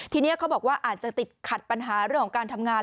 ทีนี้เขาบอกว่าอาจจะติดขัดปัญหาเรื่องของการทำงาน